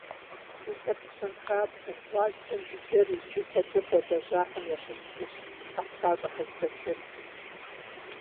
Ди лъэпкъ щэнхабзэм, гъуазджэм жыджэру икӏи куэдрэ хуэлэжьахэм ящыщ зыщ Хьэхъупащӏэ Хьэжбэчыр.